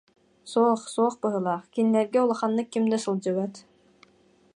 Суох, суох быһыылаах, кинилэргэ улаханнык ким да сылдьыбат